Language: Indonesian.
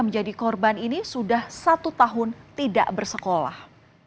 menjadi korban ini sudah satu tahun tidak bersekolah